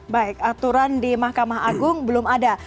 baik aturan di mahkamah agung belum ada